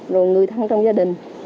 rồi người thân trong gia đình